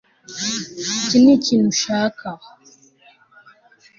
Iki nikintu ushaka